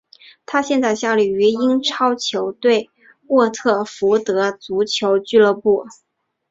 他现在效力于英超球队沃特福德足球俱乐部。